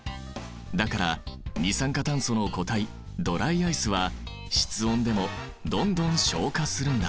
だから二酸化炭素の固体ドライアイスは室温でもどんどん昇華するんだ。